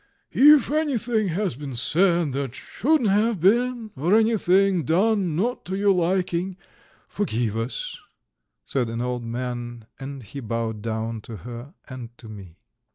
"If anything has been said that shouldn't have been or anything done not to your liking, forgive us," said an old man, and he bowed down to her and to me.